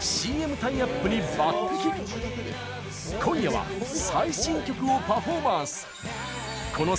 最新曲をパフォーマンス！